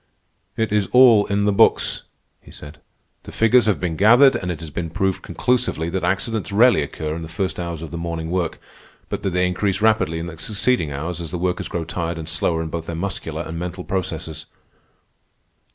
"It is all in the books," he said. "The figures have been gathered, and it has been proved conclusively that accidents rarely occur in the first hours of the morning work, but that they increase rapidly in the succeeding hours as the workers grow tired and slower in both their muscular and mental processes.